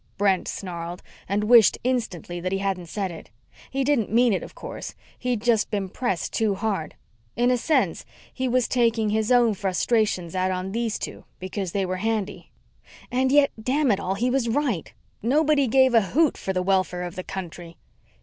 Brent snarled, and wished instantly that he hadn't said it. He didn't mean it, of course. He'd just been pressed too hard. In a sense, he was taking his own frustrations out on these two because they were handy. And yet, damn it all, he was right! Nobody gave a hoot for the welfare of the country!